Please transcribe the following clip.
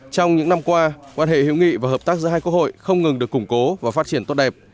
trong những năm qua quan hệ hiệu nghị và hợp tác giữa hai quốc hội không ngừng được củng cố và phát triển tốt đẹp